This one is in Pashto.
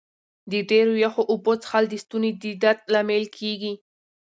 د ډېرو یخو اوبو څښل د ستوني د درد لامل کېږي.